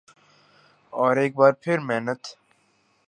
اورایک بار پھر محنت